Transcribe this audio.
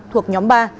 thuộc nhóm ba